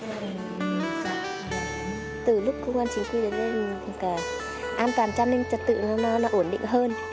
từ lúc công an chính quy đến đây an toàn cho nên trật tự nó ổn định hơn